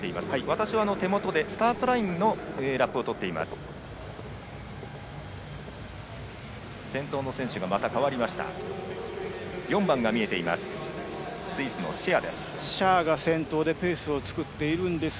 私は手元でスタートラインのラップをとっています。